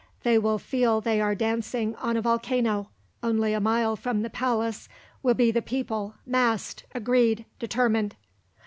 They will feel they are dancing on a volcano; only a mile from the palace will be the people, massed, agreed, determined.